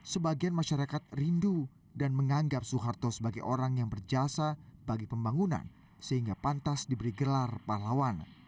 sebagian masyarakat rindu dan menganggap soeharto sebagai orang yang berjasa bagi pembangunan sehingga pantas diberi gelar pahlawan